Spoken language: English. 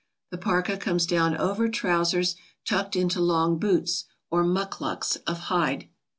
The parka comes down over trousers tucked into long boots, or mukluks, of hide.